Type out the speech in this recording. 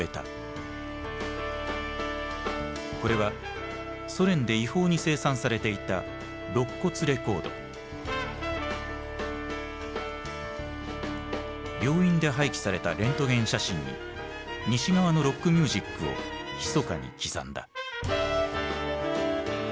これはソ連で違法に生産されていた病院で廃棄されたレントゲン写真に西側のロックミュージックをひそかに刻んだ。